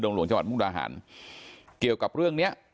หลวงจังหวัดมุกดาหารเกี่ยวกับเรื่องเนี้ย